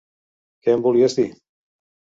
Què em volies dir?